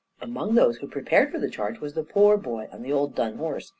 Among those who prepared for the charge was the poor boy on the old dun horse.